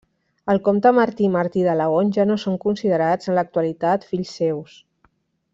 El comte Martí i Martí de Laon ja no són considerats en l'actualitat fills seus.